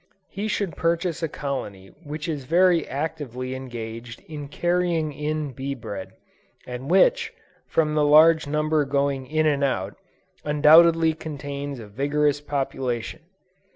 He should purchase a colony which is very actively engaged in carrying in bee bread, and which, from the large number going in and out, undoubtedly contains a vigorous population.